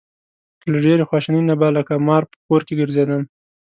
له ډېرې خواشینۍ نه به لکه مار په کور کې ګرځېدم.